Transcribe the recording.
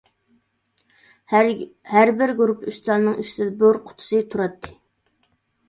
ھەربىر گۇرۇپپا ئۈستەلنىڭ ئۈستىدە بور قۇتىسى تۇراتتى.